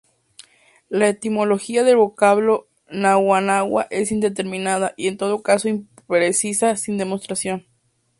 La etimología del vocablo Naguanagua es indeterminada, y en todo caso imprecisa sin demostración.